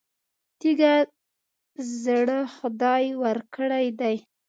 تېږه زړه خدای ورکړی دی.